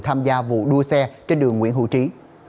tham gia vụ đua xe trên đường nguyễn hữu trí